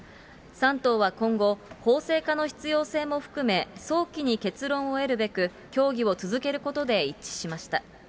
３党は今後、法制化の必要性も含め、早期に結論を得るべく、協議を続けることで一致しました。